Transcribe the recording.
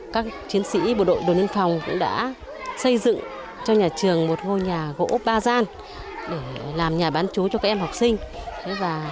các chiến sĩ bộ đội biên phòng cũng đã xây dựng cho nhà trường một ngôi nhà gỗ ba gian để làm nhà bán chú cho các em học sinh